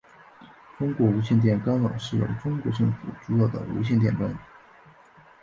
中国无线电干扰是由中国政府主导的无线电干扰。